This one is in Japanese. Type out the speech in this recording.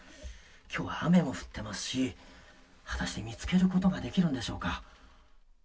今日は雨も降っていますし果たして見つけることができるんでしょうか？